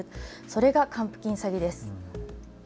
それが還付金詐欺です。